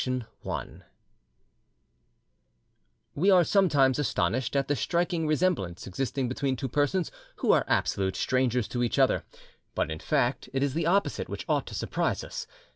*MARTIN GUERRE* We are sometimes astonished at the striking resemblance existing between two persons who are absolute strangers to each other, but in fact it is the opposite which ought to surprise us.